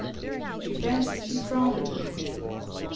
She fancied he frowned a little.